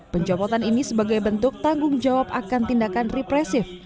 pencopotan ini sebagai bentuk tanggung jawab akan tindakan represif